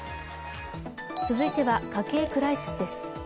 続いては、家計クライシスです。